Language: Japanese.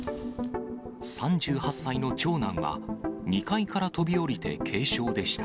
３８歳の長男は、２階から飛び降りて軽傷でした。